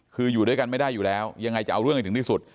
คืออยู่ด้วยกันไม่ได้อยู่แล้วยังไงจะเอาเรื่องให้ถึงที่สุด